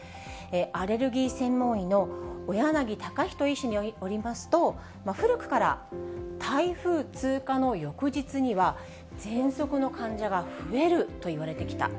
アレルギー専門医の小柳貴人医師によりますと、古くから台風通過の翌日には、ぜんそくの患者が増えるといわれてきた。